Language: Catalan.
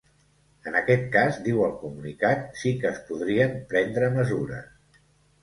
En aquest cas, diu el comunicat, sí que es podrien prendre mesures.